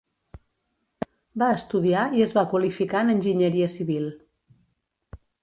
Va estudiar i es va qualificar en enginyeria civil.